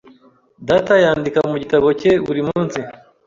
Data yandika mu gitabo cye buri munsi.